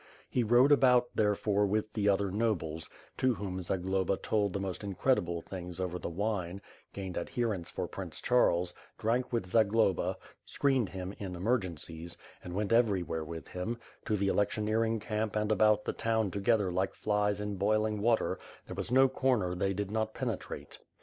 He rode about, therefore, with the other nobles, to whom Zagloba told the most incredible things over the wine, gained adherents for Prince Charles, drank with Zagloba, screened him in emergencies, and went everywhere with him, to the electioneering camp and about the town together like flies in boiling water, there was no comer they did not penetrate.